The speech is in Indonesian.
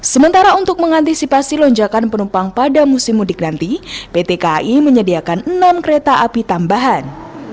sementara untuk mengantisipasi lonjakan penumpang pada musim mudik nanti pt kai menyediakan enam kereta api tambahan